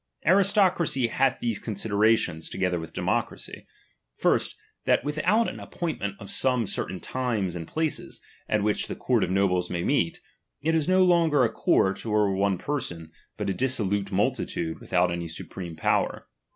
Aristocracy hath these considerations, toge . ther with democracy. First, that without an ap pointment of some certain times and places, at which the court of nobles may meet, it is no longer a court, or one person, but a dissolute multitude with out any supreme power.